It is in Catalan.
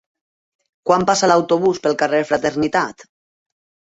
Quan passa l'autobús pel carrer Fraternitat?